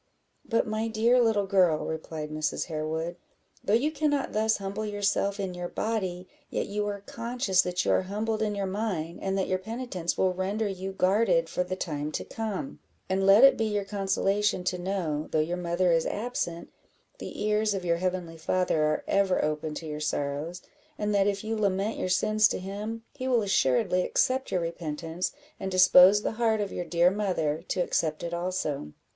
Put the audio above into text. "But, my dear little girl," replied Mrs. Harewood, "though you cannot thus humble yourself in your body, yet you are conscious that you are humbled in your mind, and that your penitence will render you guarded for the time to come; and let it be your consolation to know, though your mother is absent, the ears of your heavenly Father are ever open to your sorrows; and that, if you lament your sins to him, he will assuredly accept your repentance, and dispose the heart of your dear mother to accept it also.